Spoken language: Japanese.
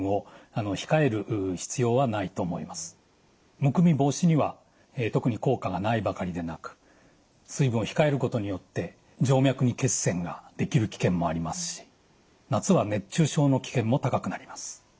むくみ防止には特に効果がないばかりでなく水分を控えることによって静脈に血栓ができる危険もありますし夏は熱中症の危険も高くなります。